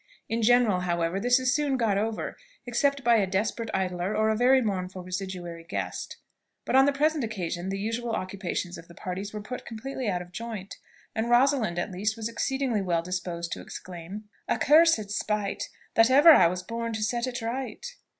In general, however, this is soon got over, except by a desperate idler or a very mournful residuary guest; but on the present occasion the usual occupations of the parties were put completely out of joint, and Rosalind, at least, was exceedingly well disposed to exclaim "Accursed spite, That ever I was born to set it right!"